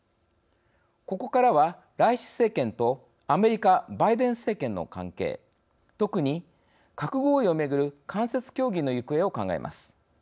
ここからは、ライシ政権とアメリカ・バイデン政権の関係特に「核合意」をめぐる間接協議の行方を考えます。